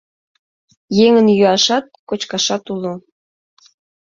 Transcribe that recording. Еҥын йӱашат, кочкашат уло...